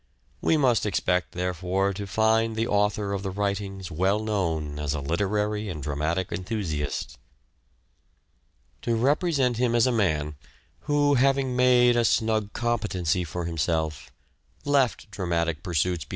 We must expect, therefore, to find the author of the writings well known as a literary and dramatic enthusiast. To represent him as a man who, having made a Contrast to snug competency for himself, left dramatic pursuits Shakespeare!